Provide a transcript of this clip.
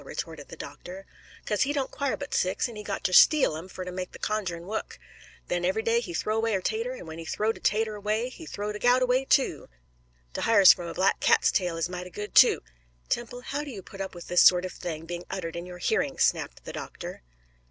retorted the doctor. "Kase he doan 'quire but six, an' he got ter steal 'em, fur ter make de conjurin' wuk. Den ev'y day he th'ow 'way a 'tater, an' when he th'ow de 'tater 'way he th'ow de gout 'way, too. De hy'ars from a black cat's tail is mighty good, too " "Temple, how do you put up with this sort of thing being uttered in your hearing?" snapped the doctor.